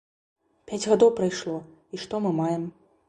Пяць гадоў прайшло, і што мы маем?